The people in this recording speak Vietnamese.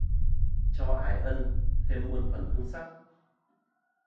Cho ái ân thêm muôn phần hương sắc.